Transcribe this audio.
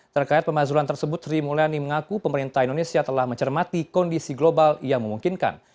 terkait pemakzulan tersebut sri mulyani mengaku pemerintah indonesia telah mencermati kondisi global yang memungkinkan